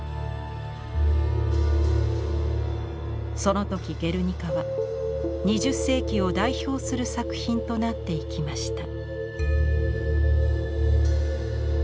その時「ゲルニカ」は２０世紀を代表する作品となっていきました。